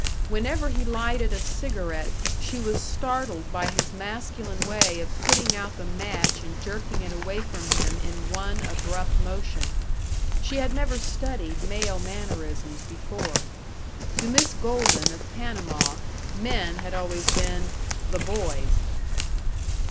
Whenever he lighted a cigarette she was startled by his masculine way of putting out the match and jerking it away from him in one abrupt motion.... She had never studied male mannerisms before. To Miss Golden of Panama men had always been "the boys."